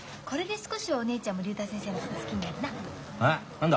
何だ？